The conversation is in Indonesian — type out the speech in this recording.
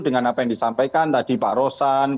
dengan apa yang disampaikan tadi pak rosan